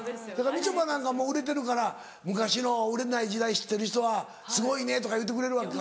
みちょぱなんかも売れてるから昔の売れない時代知ってる人は「すごいね」とか言うてくれるわけか。